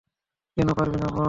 কেন পারবি না বল।